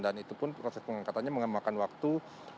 dan itu pun proses pengangkatannya mengamalkan waktu